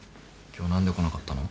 今日何で来なかったの？